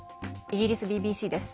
イギリスＢＢＣです。